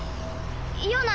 ヨナ！